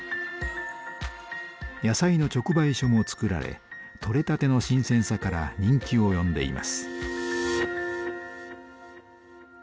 野菜の直売所もつくられ取れたての新鮮さから人気を呼んでいます。